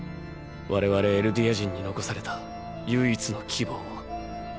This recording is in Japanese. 我々エルディア人に残された唯一の希望を。